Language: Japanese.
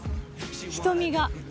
瞳が。